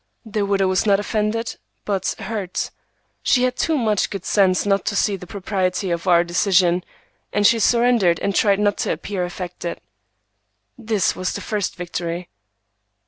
The widow was not offended, but hurt. She had too much good sense not to see the propriety of our decision, and she surrendered and tried not to appear affected. This was the first victory.